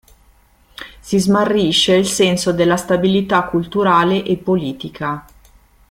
Si smarrisce il senso della stabilità culturale e politica.